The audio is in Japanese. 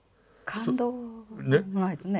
感動がないですね。